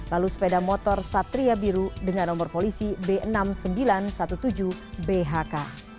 lalu sepeda motor satria biru dengan nomor polisi b enam ribu sembilan ratus tujuh belas bhk